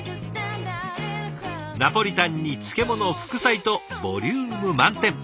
ナポリタンに漬物副菜とボリューム満点！